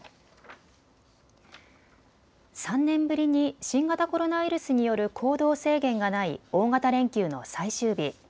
３年ぶりに新型コロナウイルスによる行動制限がない大型連休の最終日。